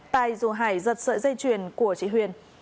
tài dù hải giật sợi dây chuyền của chị huyền